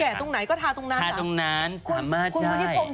คือแกะตรงไหนก็ทาตรงนั้นค่ะทาตรงนั้นสามารถได้